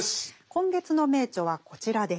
今月の名著はこちらです。